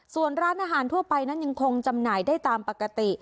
ส่วนร้านอาหารทั่วไปนั้นยังคงจำหน่ายได้ตามปกติ